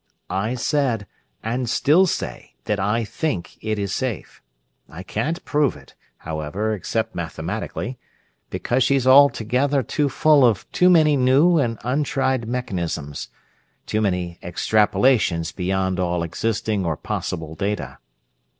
"I said, and still say, that I think it is safe. I can't prove it, however, except mathematically; because she's altogether too full of too many new and untried mechanisms, too many extrapolations beyond all existing or possible data.